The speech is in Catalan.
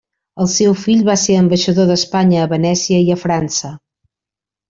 El seu fill va ser ambaixador d'Espanya a Venècia i a França.